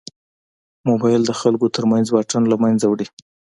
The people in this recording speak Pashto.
موبایل د خلکو تر منځ واټن له منځه وړي.